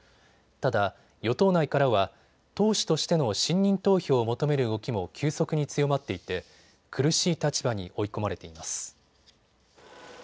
ただ与党内からは党首としての信任投票を求める動きも急速に強まっていて苦しい立場に追い込まれています。